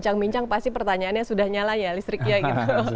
bincang bincang pasti pertanyaannya sudah nyala ya listriknya gitu